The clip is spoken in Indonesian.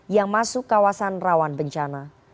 yang masuk kawasan rawan bencana